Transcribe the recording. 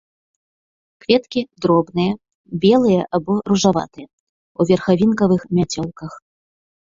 Кветкі дробныя, белыя або ружаватыя, у верхавінкавых мяцёлках.